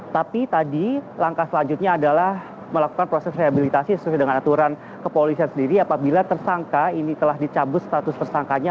tapi tadi langkah selanjutnya adalah melakukan proses rehabilitasi sesuai dengan aturan kepolisian sendiri apabila tersangka ini telah dicabut status tersangkanya